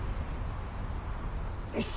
よし！